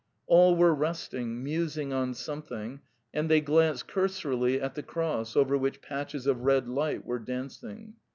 All were resting, musing on something, and they glanced cursorily at the cross over which patches of red light were dancing.